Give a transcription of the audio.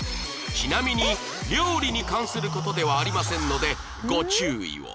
ちなみに料理に関する事ではありませんのでご注意を